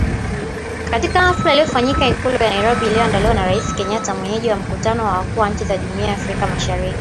Katika hafla iliyofanyika Ikulu ya Nairobi iliyoandaliwa na Rais Kenyatta mwenyeji wa mkutano wa wakuu wa nchi za Jumuiya ya Afrika Mashiriki.